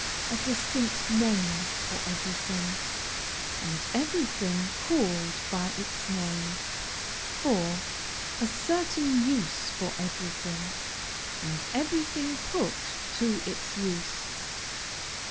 A distinct name for everything, and everything called by its name. 4. A certain use for everything, and everything put to its use.